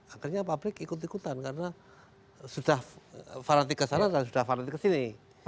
akhirnya publik ikut ikutan karena sudah fanatik ke sana dan sudah fanatik kesini